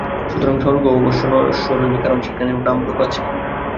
সুতরাং স্বর্গও অবশ্য নশ্বর হইবে, কারণ সেখানেও নাম-রূপ আছে।